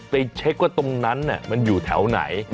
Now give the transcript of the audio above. ไปเช็คว่าตรงนั้นมันอยู่แถวไหน